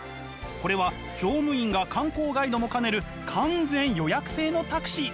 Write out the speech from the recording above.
これは乗務員が観光ガイドも兼ねる完全予約制のタクシー。